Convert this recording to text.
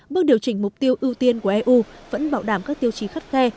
bước điều chỉnh mục tiêu ưu tiên của eu vẫn bảo đảm các tiêu chí khắt khe